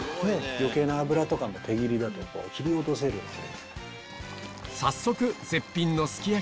余計な脂とかも手切りだと切り落とせるんで。